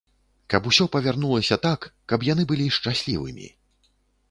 Каб усё павярнулася так, каб яны былі шчаслівымі.